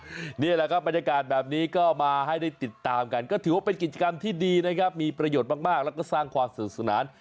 นี่แหละครับบรรยากาศแบบนี้ก็มาให้ได้ติดตามกันก็ถือว่าเป็นกิจกรรมที่ดีนะครับมีประโยชน์มากแล้วก็สร้างความสนุกสนาน